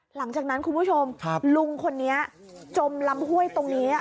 หลังจากนั้นคุณผู้ชมลุงคนนี้จมลำห้วยตรงนี้